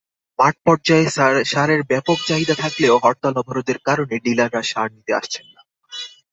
মাঠপর্যায়ে সারের ব্যাপক চাহিদা থাকলেও হরতাল-অবরোধের কারণে ডিলাররা সার নিতে আসছেন না।